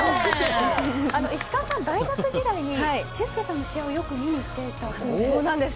石川さんは大学時代に俊輔さんの試合をよく見に行っていたそうで。